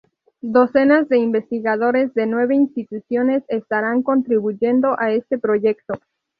Decenas de investigadores de nueve instituciones estarán contribuyendo a este proyecto.